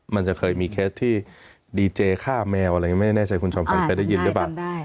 มันจะเคยมีเคสที่ดีเจฆ่าแมวอะไรไม่ได้แน่ใจคุณชมฟังใครได้ยินหรือเปล่า